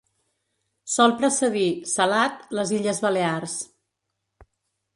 Sol precedir, salat, les illes Balears.